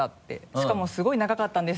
しかも「すごい長かったんです」